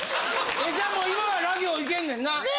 じゃあもう今はら行いけんねんな？え！！